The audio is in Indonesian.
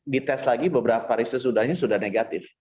dites lagi beberapa riset sudah negatif